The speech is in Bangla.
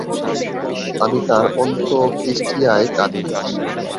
আমি তার অন্তোস্টিক্রিয়ায় কাঁদিনি।